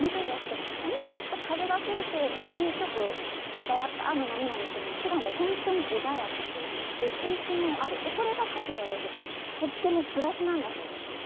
今ちょっと風が吹いて穏やかな波なんですけどふだんは本当に穏やかで水深もあるこれがかきの養殖にとってもプラスなんだそうです。